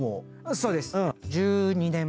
そうです。